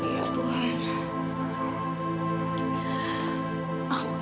saya mau juga